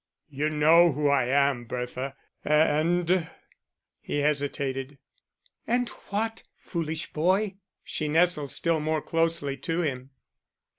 "You know who I am, Bertha; and " he hesitated. "And what, foolish boy?" she nestled still more closely to him.